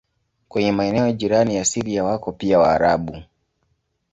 Kwenye maeneo jirani na Syria wako pia Waarabu.